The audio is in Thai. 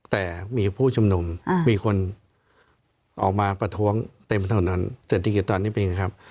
แต่มีผู้ชุมนุมมีคนออกมาประท้วงเต็มเท่านั้นเศรษฐกิจตอนนี้เป็นไงครับ